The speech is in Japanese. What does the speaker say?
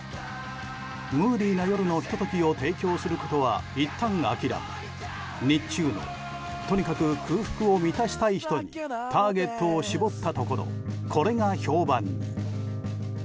ムーディーな夜のひと時を提供することはいったん諦め日中の、とにかく空腹を満たしたい人にターゲットを絞ったところこれが評判に。